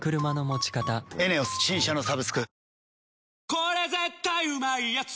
これ絶対うまいやつ」